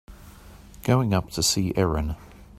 Going up to see Erin.